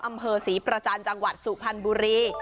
อำเภอศรีประจันทร์จังหวัดสุพรรณบุรี